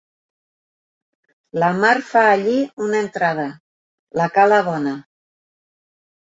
La mar fa allí una entrada, la cala Bona.